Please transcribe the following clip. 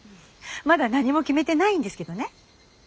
まだ何も決めてないんですけどね。